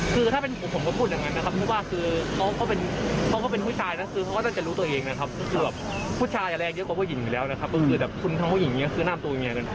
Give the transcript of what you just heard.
คือถ้าเป็นผมก็พูดอย่างนั้นนะครับเพราะว่าคือเขาก็เป็นผู้ชายนะคือเขาก็น่าจะรู้ตัวเองนะครับก็คือแบบผู้ชายอะไรเยอะกว่าผู้หญิงอยู่แล้วนะครับคือแบบคุณทางผู้หญิงเนี่ยคือหน้าตัวยังไงกัน